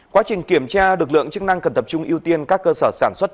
quá trình kiểm tra lực lượng chức năng cần tập trung ưu tiên các cơ sở sản xuất